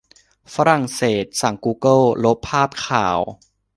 ฝรั่งเศสสั่งกูเกิลลบภาพข่าว